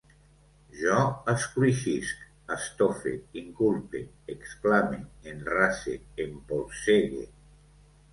Jo escruixisc, estofe, inculpe, exclame, enrase, empolsegue